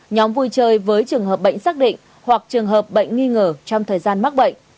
nhóm vui chơi với trường hợp bệnh xác định hoặc trường hợp bệnh nghi ngờ trong thời gian mắc bệnh